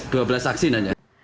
dua belas saksi nanya